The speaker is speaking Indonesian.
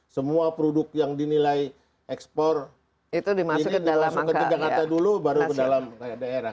semua produk yang dinilai ekspor ini langsung ke jakarta dulu baru ke dalam daerah